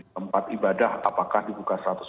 tempat ibadah apakah dibuka